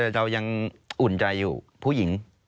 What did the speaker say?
เรายังอุ่นใจอยู่ผู้หญิง